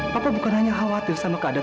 bapak bukan hanya khawatir sama keadaan